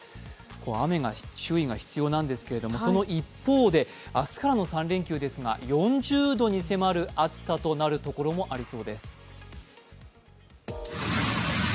雨は注意が必要なんですが一方で、明日からの３連休４０度に迫る暑さとなるところがありそうです。